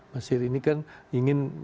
mesir ini kan ingin